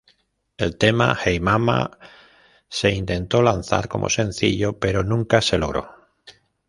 El tema "Hey Mama" se intentó lanzar como sencillo, pero nunca se logró.